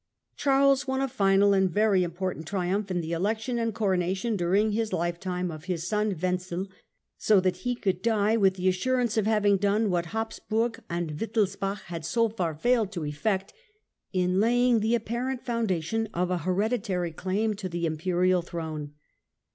Charles won a final and very important triumph in Election of the election and coronation, during his lifetime, of his 1376 ' son Wenzel ; so that he could die with the assurance of having done what Habsburg and Wittelsbach had so far failed to effect, in laying the apparent foundation of an hereditary claim to the Imperial throne.